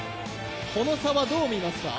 この差はどう見ますか？